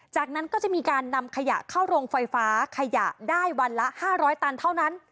จากนั้นก็จะมีการนำขยะเข้าโรงไฟฟ้าขยะได้วันละ๕๐๐ตันเท่านั้น